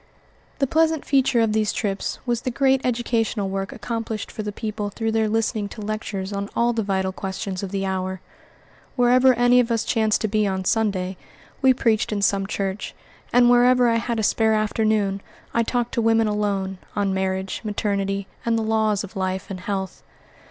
The pleasant feature of these trips was the great educational work accomplished for the people through their listening to lectures on all the vital questions of the hour. Wherever any of us chanced to be on Sunday, we preached in some church; and wherever I had a spare afternoon, I talked to women alone, on marriage, maternity, and the laws of life and health.